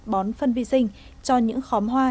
bón phân vi sinh cho những khóm hoa